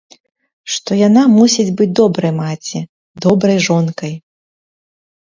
Што яна мусіць быць добрай маці, добрай жонкай.